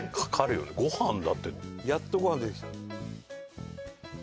やっとご飯出てきた。